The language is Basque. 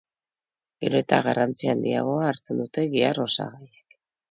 Gero eta garrantzi handiagoa hartzen dute gihar osagaiek.